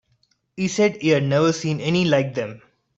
He said he had never seen any like them.